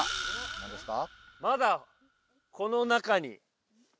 何ですか？